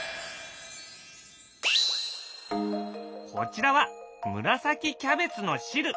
こちらは紫キャベツの汁。